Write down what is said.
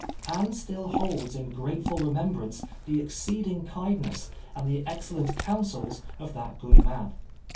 Anne still holds in m ateful remembrance the exceedino; kindness and the excellent counsels of that good man.